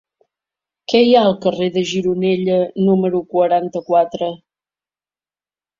Què hi ha al carrer de Gironella número quaranta-quatre?